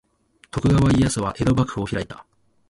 徳川家康は江戸幕府を開いた。